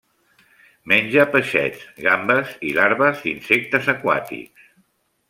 Menja peixets, gambes i larves d'insectes aquàtics.